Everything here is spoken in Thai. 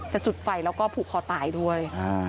จุดไฟแล้วก็ผูกคอตายด้วย